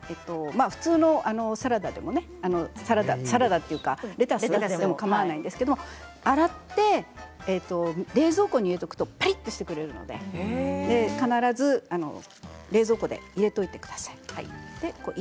普通のサラダでもサラダというかレタスでもかまわないんですけど洗って冷蔵庫に入れとくとピリッとしてくれるので必ず冷蔵庫に入れておいてください。